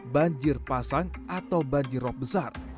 banjir pasang atau banjir rop besar